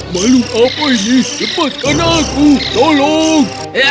makhluk apa ini lepaskan aku tolong